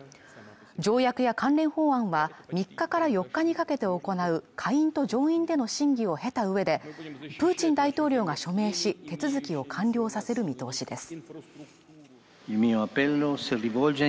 条約や関連法案は３日から４日にかけて行う下院と上院での審議を経たうえでプーチン大統領が署名し手続きを完了させる見通しです